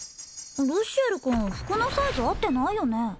ルシエル君服のサイズ合ってないよね？